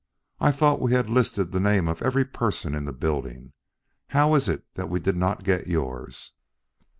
I thought we had listed the name of every person in the building. How is it that we did not get yours?"